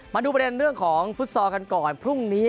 มาดูประเด็นเรื่องของฟุตซอลกันก่อนพรุ่งนี้